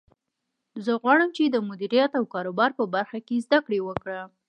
زه غواړم چې د مدیریت او کاروبار په برخه کې زده کړه وکړم